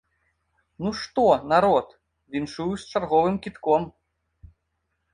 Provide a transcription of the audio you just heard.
Ну што, народ, віншую з чарговым кідком.